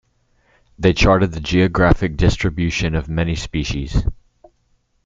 They charted the geographic distribution of many species.